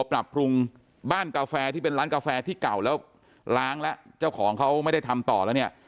ปรับปรุงบ้านกาแฟที่เป็นร้านกาแฟที่เก่าแล้วล้างแล้วเจ้าของเขาไม่ได้ทำต่อแล้วเนี่ย